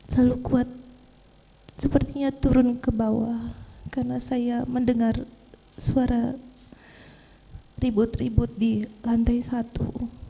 lalu kuat sepertinya turun ke bawah karena saya mendengar suara ribut ribut di lantai satu